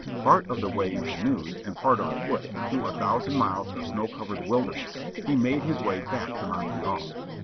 Part of the way in canoes, and part on foot, through a thousand miles of snow covered wilderness, he made his way back to Montreal.